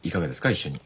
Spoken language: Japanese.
一緒に。